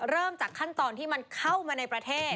เริ่มจากขั้นตอนที่มันเข้ามาในประเทศ